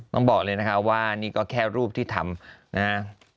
ต้องบอกเลยว่านี่ก็แค่รูปที่ทำ